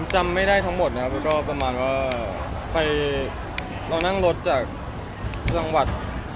จำไม่ได้ทั้งหมดนะครับแล้วก็ประมาณว่าไปเรานั่งรถจากจังหวัด